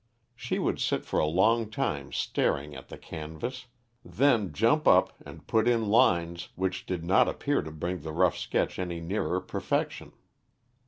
She would sit for a long time staring at the canvas, then jump up and put in lines which did not appear to bring the rough sketch any nearer perfection.